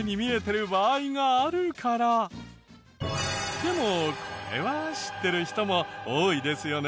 でもこれは知ってる人も多いですよね。